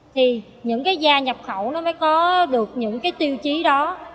thì những da nhập khẩu mới có được những tiêu chí đó